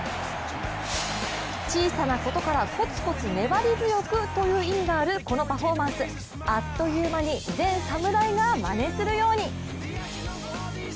小さなことからコツコツ粘り強くという意味のあるこのパフォーマンス、あっという間に全侍がまねするように。